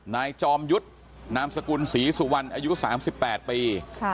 จอมยุทธ์นามสกุลศรีสุวรรณอายุ๓๘ปี